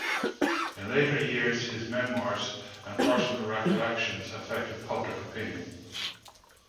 In later years, his memoirs and personal recollections affected public opinion.